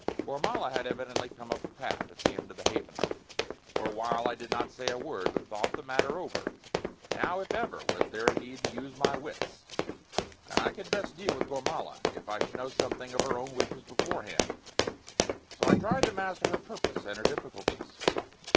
Gormala had evidently come up the path at the end of the Haven. For a while I did not say a word, but thought the matter over. Now, if ever, was there need to use my wits, and I could best deal with Gormala if I should know something of her own wishes beforehand; so I tried to master her purpose and her difficulties.